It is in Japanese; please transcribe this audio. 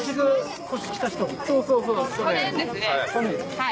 はい。